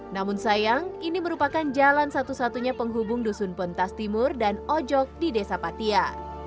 namun sayang ini merupakan jalan satu satunya penghubung dusun pentas timur dan ojok di desa patia